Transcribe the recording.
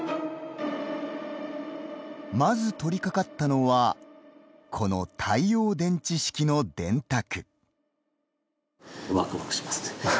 まず取りかかったのはこの太陽電池式の電卓。